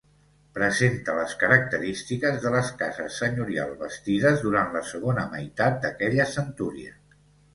Presenta les característiques de les cases senyorials bastides durant la segona meitat d'aquella centúria.